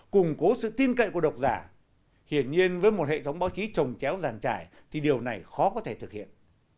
củng cố sự tin cậy của độc giả hiển nhiên với một hệ thống báo chí trồng chéo giàn trải thì điều này khó có thể thực hiện